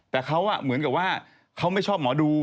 แต่เขาเหมือนกับว่าเขาไม่ชอบหมอดู